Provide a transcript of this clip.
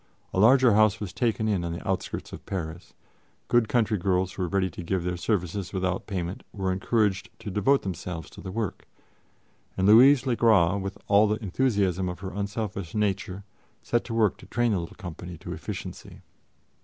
A larger house was taken on the outskirts of Paris; good country girls who were ready to give their services without payment were encouraged to devote themselves to the work, and Louise le Gras, with all the enthusiasm of her unselfish nature, set to work to train the little company to efficiency.